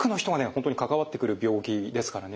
本当に関わってくる病気ですからね